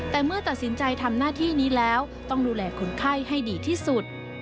แต่เมื่อตัดสินใจทำหน้าที่นี้แล้วต้องดูแลคนไข้ให้ดีที่สุด